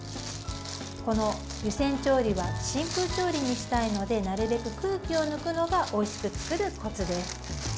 この湯煎調理は真空調理にしたいのでなるべく空気を抜くのがおいしく作るコツです。